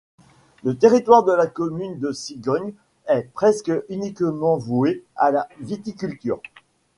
Le territoire de la commune de Sigogne est presque uniquement voué à la viticulture.